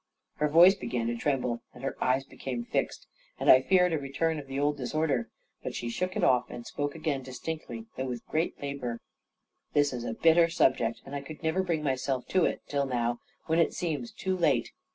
Her voice began to tremble, and her eyes became fixed, and I feared a return of the old disorder; but she shook it off, and spoke again distinctly, though with great labour: "This is a bitter subject, and I never could bring myself to it, till now, when it seems too late.